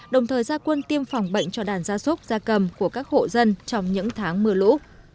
đồng thời gia quân tiêm phòng bệnh cho đàn gia súc gia cầm của các hộ dân trong những tháng mưa lũ